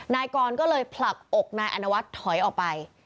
นายกรก็เลยผลักอกนายอนวัฒน์ถอยออกไป